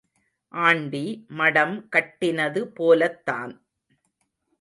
Aunty மடம் கட்டினது போலத்தான்.